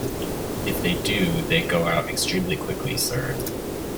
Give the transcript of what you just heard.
If they do, they go out extremely quickly, sir.